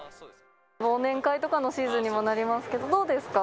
忘年会とかのシーズンにもなりますけれども、どうですか？